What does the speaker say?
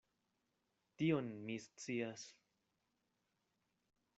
Tion mi scias.